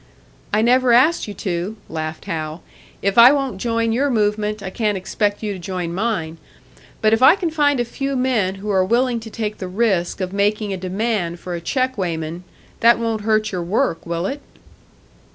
"I never asked you to," laughed Hal. "If I won't join your movement, I can't expect you to join mine! But if I can find a few men who are willing to take the risk of making a demand for a check weighman that won't hurt your work, will it?"